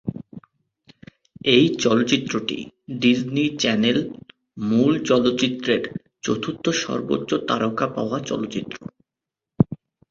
এই চলচ্চিত্রটি, Disney Channel মূল চলচ্চিত্রের চতুর্থ সর্বোচ্চ তারকা পাওয়া চলচ্চিত্র।